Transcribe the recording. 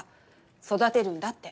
育てるんだって。